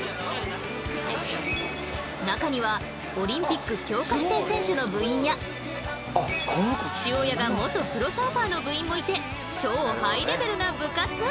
中にはオリンピック強化指定選手の部員や父親が元プロサーファーの部員もいて超ハイレベルな部活。